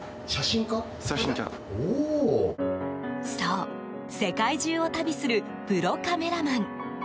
そう、世界中を旅するプロカメラマン。